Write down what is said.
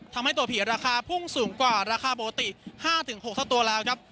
ทำให้ตัวผีราคาพุ่งสูงกว่าราคาปกติ๕๖เท่าตัวแล้วครับ